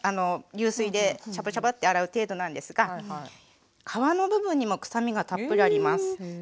流水でシャバシャバって洗う程度なんですが皮の部分にも臭みがたっぷりあります。